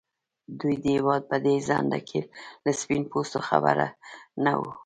دوی د هېواد په دې څنډه کې له سپين پوستو خبر نه وو.